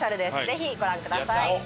ぜひご覧ください。